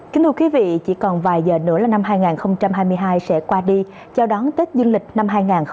kính thưa quý vị chỉ còn vài giờ nữa là năm hai nghìn hai mươi hai sẽ qua đi chào đón tết dương lịch năm hai nghìn hai mươi bốn